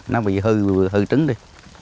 nó bị hư trứng đi